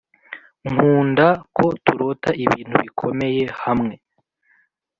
nkunda ko turota ibintu bikomeye hamwe